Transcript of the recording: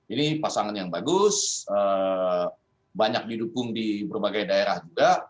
ini pasangan yang bagus banyak didukung di berbagai daerah juga